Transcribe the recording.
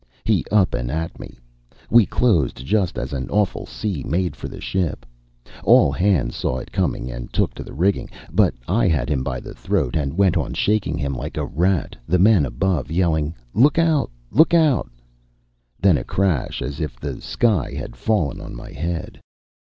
He up and at me. We closed just as an awful sea made for the ship. All hands saw it coming and took to the rigging, but I had him by the throat, and went on shaking him like a rat, the men above us yelling, 'Look out! look out!' Then a crash as if the sky had fallen on my head.